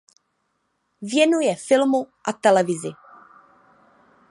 Věnuje filmu a televizi.